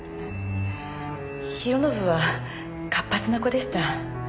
弘信は活発な子でした。